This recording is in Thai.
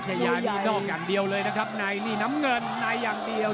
ชายามีนอกอย่างเดียวเลยนะครับในนี่น้ำเงินในอย่างเดียว